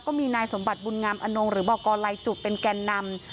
ก็มีนายสมบัติบุญงามอนงหรือบอกกรลายจุกเป็นแก่นำ